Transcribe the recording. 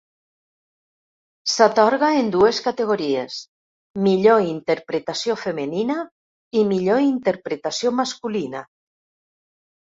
S'atorga en dues categories: millor interpretació femenina i millor interpretació masculina.